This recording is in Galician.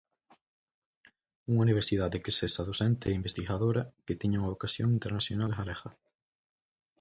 Unha universidade que sexa docente e investigadora, que teña unha vocación internacional e galega.